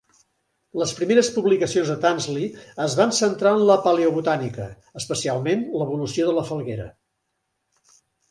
Les primeres publicacions de Tansley es van centrar en la paleobotànica, especialment l'evolució de la falguera.